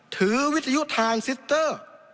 วิทยุทานซิสเตอร์